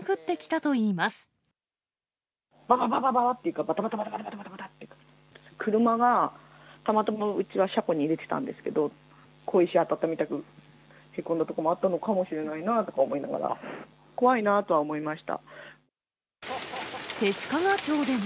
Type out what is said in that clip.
車が、たまたまうちは車庫に入れてたんですけど、小石当たったみたくへこんだとこもあったのかもしれないなと思い弟子屈町でも。